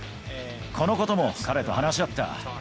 このことも彼と話し合った。